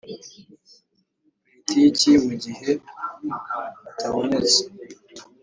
Politiki mu gihe atabonetse